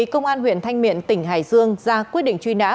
ra quyết định truy nã